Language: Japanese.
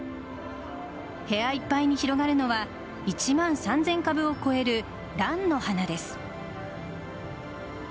部屋いっぱいに広がるのは１万３０００株を超えるランの花です。